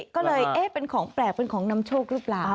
ก็เลยเอ๊ะเป็นของแปลกเป็นของนำโชคหรือเปล่า